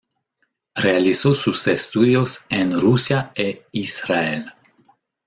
Realizó sus estudios en Rusia e Israel.